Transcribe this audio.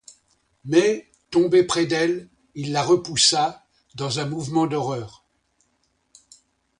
Mais, tombé près d'elle, il la repoussa, dans un mouvement d'horreur.